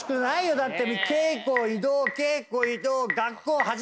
だって。